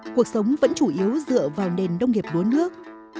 cuộc sống vẫn chủ yếu dựa vào nền nông nghiệp lúa nước